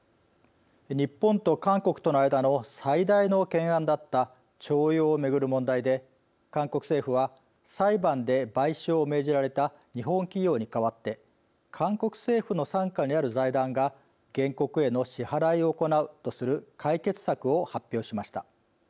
日本と韓国との間の最大の懸案だった徴用を巡る問題で、韓国政府は裁判で賠償を命じられた日本企業に代わって韓国政府の傘下にある財団が原告への支払いを行うとする解決策を発表しました。